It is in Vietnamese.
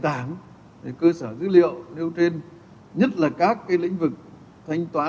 để chúng ta chuyển đổi